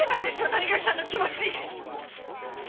谷垣さんの気持ち。